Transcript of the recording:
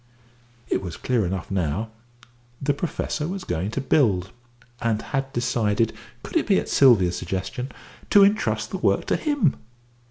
It was clear enough now; the Professor was going to build, and had decided could it be at Sylvia's suggestion? to entrust the work to him!